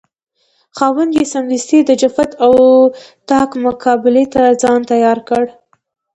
خاوند یې سمدستي د جفت او طاق مقابلې ته ځان تیار کړ.